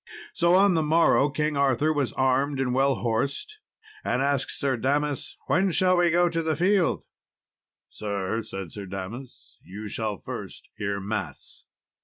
So, on the morrow, King Arthur was armed and well horsed, and asked Sir Damas, "When shall we go to the field?" "Sir," said Sir Damas, "you shall first hear mass."